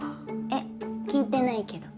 えっ聞いてないけど。